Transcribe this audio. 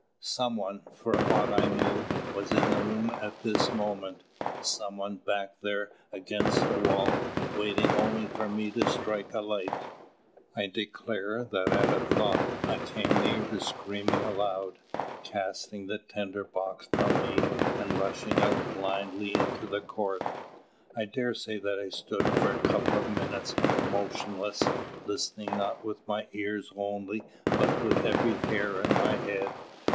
Some one, for aught I knew, was in the room at this moment! Some one, back there against the wall, waiting only for me to strike a light! I declare that at the thought I came near to screaming aloud, casting the tinder box from me and rushing out blindly into the court. I dare say that I stood for a couple of minutes, motionless, listening not with my ears only but with every hair of my head.